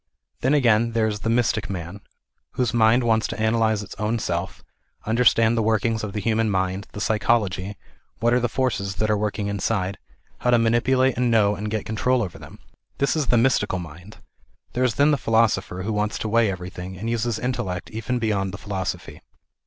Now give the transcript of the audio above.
Then again there is the mystic man, whose mind wants to analyse its own self, understand the work ings of the human mind, the psychology, what are the forces that are working inside, how to manipulate and know and get control over them. This is the mystical mind. There is then the philosopher, who wants to weigh everything, and use his intellect even beyond the philosophy.